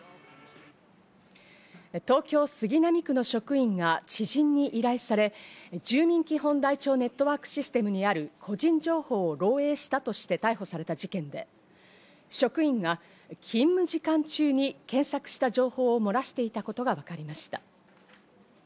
東京・杉並区の職員が知人に依頼され、住民基本台帳ネットワークシステムにある個人情報を漏えいしたとして逮捕された事件で、職員が勤務時間中に検索した情報を漏らしていたことがわかりました。